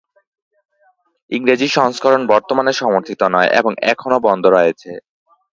ইংরেজি সংস্করণ বর্তমানে সমর্থিত নয় এবং এখনও বন্ধ রয়েছে।